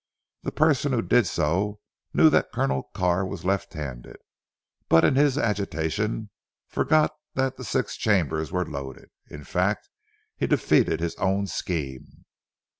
The person who did so, knew that Colonel Carr was left handed, but in his agitation forgot that the six chambers were loaded. In fact he defeated his own scheme."